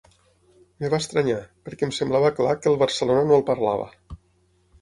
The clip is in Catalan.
Em va estranyar, perquè em semblava clar que el Barcelona no el parlava.